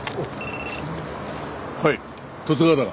はい十津川だが。